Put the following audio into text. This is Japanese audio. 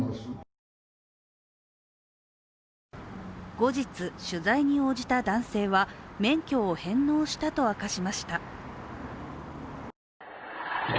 後日、取材に応じた男性は免許を返納したと明かしました。